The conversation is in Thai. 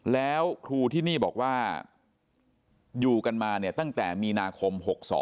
แล้วครูที่นี่บอกว่าอยู่กันมาเนี่ยตั้งแต่มีนาคม๖๒